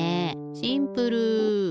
シンプル！